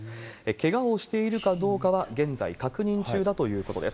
けがをしているかどうかは、現在確認中だということです。